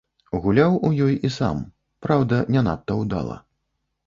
Гуляў у ёй і сам, праўда, не надта ўдала.